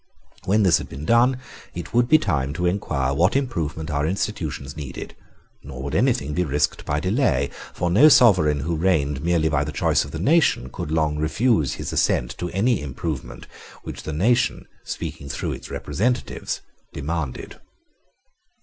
When this had been done, it would be time to inquire what improvement our institutions needed: nor would anything be risked by delay; for no sovereign who reigned merely by the choice of the nation could long refuse his assent to any improvement which the nation, speaking through its representatives, demanded.